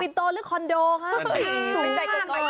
ปีโตลืะคอนโดค่ะ